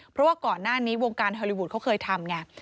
เพราะว่าก่อนหน้านี้วงการฮอลลีวูดเขาเคยทำไง